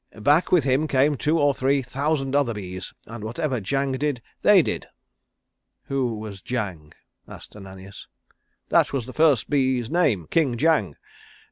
Back with him came two or three thousand other bees, and whatever Jang did they did." "Who was Jang?" asked Ananias. "That was the first bee's name. King Jang.